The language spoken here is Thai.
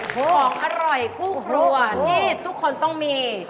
ของอร่อยคู่ครัวที่ทุกคนต้องมี